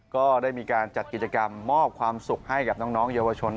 ก็ได้มีการจัดกิจกรรมมอบความสุขให้กับน้องเยาวชน